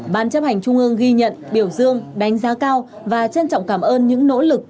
ban chấp hành trung ương ghi nhận biểu dương đánh giá cao và trân trọng cảm ơn những nỗ lực